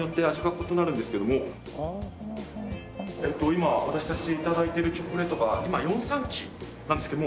今お渡しさせて頂いているチョコレートが今４産地なんですけども。